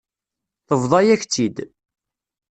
Tebḍa-yak-tt-id.